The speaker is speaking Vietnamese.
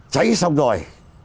cháy xong rồi